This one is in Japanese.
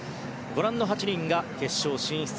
ご覧の８人が決勝進出。